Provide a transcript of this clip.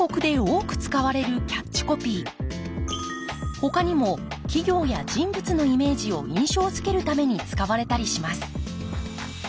ほかにも企業や人物のイメージを印象づけるために使われたりします